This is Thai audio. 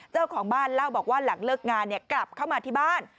เจ้าของบ้านเล่าบอกว่าหลังเลิกงานกลับเข้ามาที่บ้าน